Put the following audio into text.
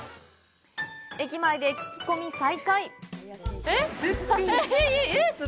駅前で聞き込み再開。